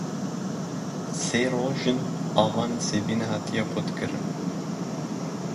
Sê roj in ava Nisêbînê hatiye qutkirin.